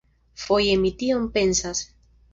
Foje mi tion pensas.